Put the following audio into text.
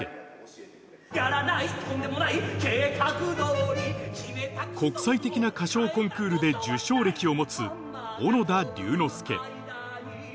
とんでもない計画通り国際的な歌唱コンクールで受賞歴を持つ小野田龍之介